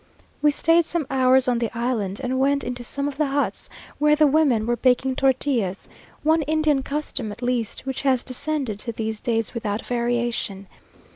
We staid some hours on the island, and went into some of the huts, where the women were baking tortillas, one Indian custom, at least, which has descended to these days without variation.